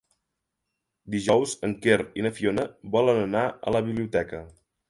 Dijous en Quer i na Fiona volen anar a la biblioteca.